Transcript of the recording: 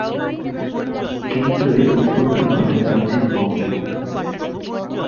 কিন্তু এর উৎপত্তি ঘটে প্রাচীন বঙে।